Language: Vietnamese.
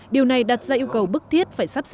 điều này đặt ra yêu cầu bức thiết phải sắp xếp